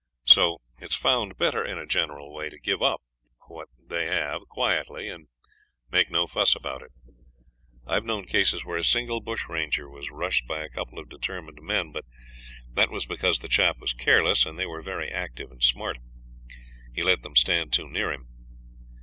So it's found better in a general way to give up what they have quietly and make no fuss about it. I've known cases where a single bush ranger was rushed by a couple of determined men, but that was because the chap was careless, and they were very active and smart. He let them stand too near him.